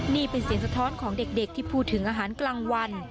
นี่เป็นเสียงสะท้อนของเด็กที่พูดถึงอาหารกลางวัน